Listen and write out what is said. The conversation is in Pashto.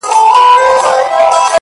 o چي بیا به څه ډول حالت وي؛ د ملنگ؛